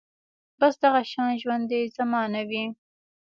بس دغه شان ژوند دې زما نه وي